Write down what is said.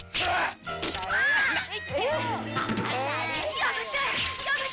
やめて！